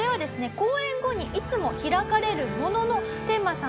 公演後にいつも開かれるもののテンマさん